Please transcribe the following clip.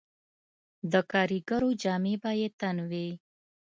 د کاریګرو جامې به یې تن وې